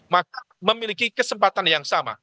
maka memiliki kesempatan yang sama